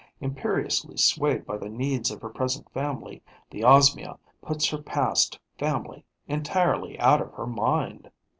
Imperiously swayed by the needs of her present family, the Osmia puts her past family entirely out of her mind.